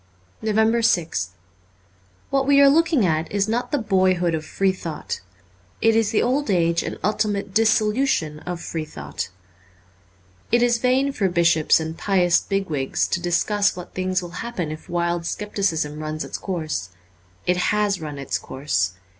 345 NOVEMBER 6th WHAT we are looking at is not the boyhood of free thought : it is the old age and ultimate dissolution of free thought. It is vain for bishops and pious big wigs to discuss what things will happen if wild scepticism runs its course. It has run its course.